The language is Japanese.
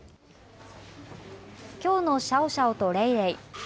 きょうのシャオシャオとレイレイ。